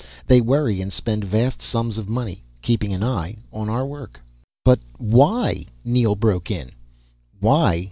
They worry and spend vast sums of money keeping an eye on our work." "But why?" Neel broke in. "Why?"